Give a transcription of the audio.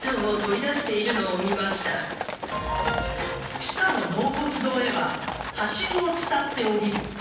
地下の納骨堂へははしごを伝って降りる。